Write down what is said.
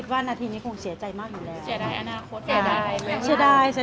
อย่างล่าสุดน้องเขาออกมาให้สัมภาษณ์ว่า